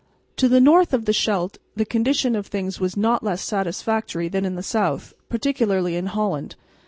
To the north of the Scheldt the condition of things was not less satisfactory than in the south, particularly in Holland.